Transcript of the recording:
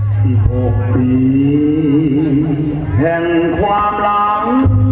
สี่หกปีเห็นความหลัง